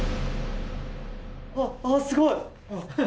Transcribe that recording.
あっあっすごい！